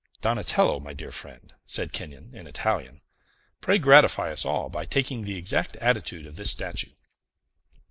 "Donatello, my dear friend," said Kenyon, in Italian, "pray gratify us all by taking the exact attitude of this statue."